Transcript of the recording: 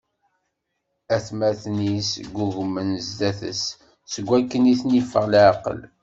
Atmaten-is ggugmen zdat-s, seg wakken i ten-iffeɣ leɛqel.